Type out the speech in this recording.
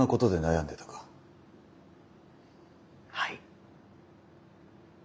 はい。